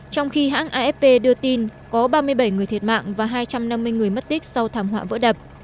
trong khi hãng afp đưa tin có ba mươi bảy người thiệt mạng và hai trăm năm mươi người mất tích sau thảm họa vỡ đập